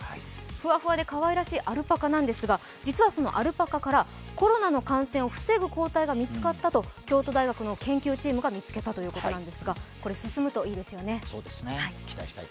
ふわふわでかわいらしいアルパカなんですが実はアルパカからコロナの感染を防ぐ抗体が見つかったと京都大学の研究チームが見つけたということなんですがこれ進むといいですよね。